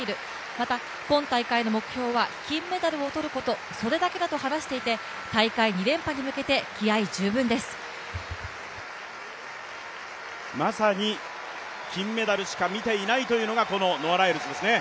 また、今大会の目標は金メダルを取ることそれだけだと話していて大会２連覇に向けて気合い十分ですまさに金メダルしか見ていないというのがこのノア・ライルズですね。